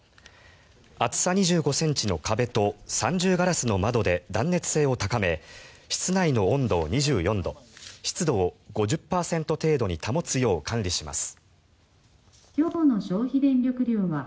厚さ２５ｃｍの壁と三重ガラスの窓で断熱性を高め室内の温度を２４度湿度を５０％程度に保つよう管理します。